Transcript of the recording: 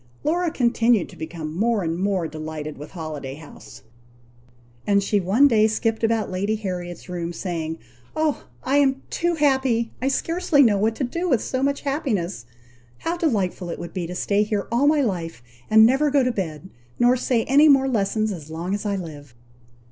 Laura continued to become more and more delighted with Holiday House; and she one day skipped about Lady Harriet's room, saying, "Oh! I am too happy! I scarcely know what to do with so much happiness. How delightful it would be to stay here all my life, and never to go to bed, nor say any more lessons as long as I live!"